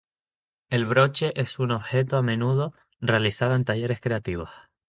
El broche es un objeto a menudo, realizado en talleres creativos.